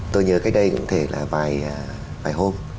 tôi nhớ cách đây cũng thể là vài hôm